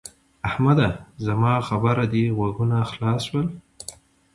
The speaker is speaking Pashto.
احمده! زما په خبره دې غوږونه خلاص شول؟